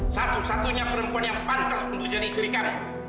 satu satunya perempuan yang pantas untuk jadi istri kami